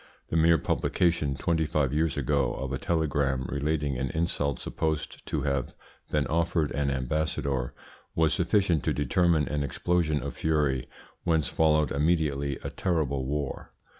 The mere publication, twenty five years ago, of a telegram, relating an insult supposed to have been offered an ambassador, was sufficient to determine an explosion of fury, whence followed immediately a terrible war.